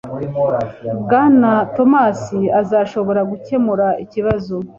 Bwana Thomas azashobora gukemura ikibazo